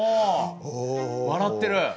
お笑ってる。